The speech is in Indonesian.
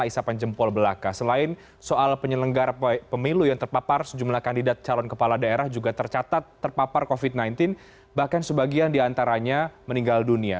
sebagian diantaranya meninggal dunia